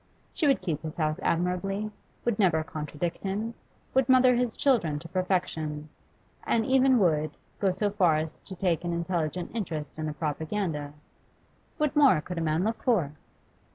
She would keep his house admirably, would never contradict him, would mother his children to perfection, and even would, go so far as to take an intelligent interest in the Propaganda. What more could a man look for?